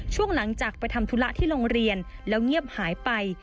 ช่วงหลังจากไปทำธุระที่โรงเรียนแล้วเงียบหายไป